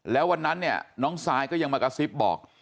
แล้ววันนั้นเนี่ยน้องซายก็ยังมากระซิบบอก